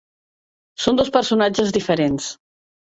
Són dos personatges diferents.